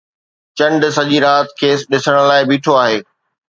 چنڊ سڄي رات کيس ڏسڻ لاءِ بيٺو آهي